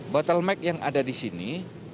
battle mag yang ada di sini